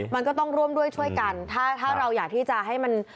มันก็ต้องร่วมด้วยช่วยกันถ้าถ้าเราอยากที่จะให้มัน